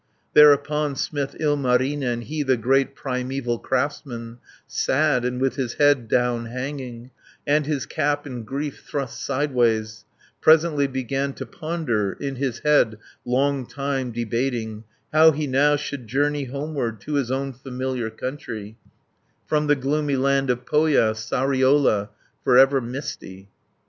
Thereupon smith Ilmarinen, He the great primeval craftsman, Sad, and with his head down hanging, And his cap in grief thrust sideways, Presently began to ponder, In his head long time debating How he now should journey homeward, To his own familiar country, 470 From the gloomy land of Pohja, Sariola for ever misty.